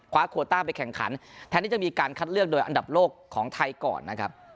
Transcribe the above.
โควต้าไปแข่งขันแทนที่จะมีการคัดเลือกโดยอันดับโลกของไทยก่อนนะครับ